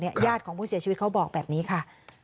ญาติของผู้เสียชีวิตเขาบอกแบบนี้ค่ะ